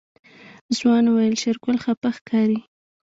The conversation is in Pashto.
ځوان وويل شېرګل خپه ښکاري.